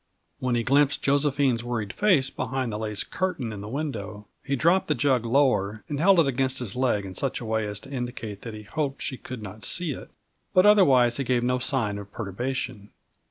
When he glimpsed Josephine's worried face behind the lace curtain in the window, he dropped the jug lower and held it against his leg in such a way as to indicate that he hoped she could not see it, but otherwise he gave no sign of perturbation.